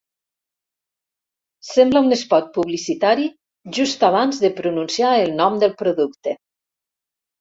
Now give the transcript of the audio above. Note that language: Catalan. Sembla un espot publicitari just abans de pronunciar el nom del producte.